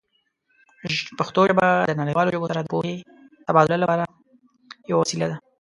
پښتو ژبه د نړیوالو ژبو سره د پوهې تبادله لپاره یوه وسیله ده.